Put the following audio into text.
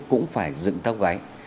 cũng phải dựng tóc gái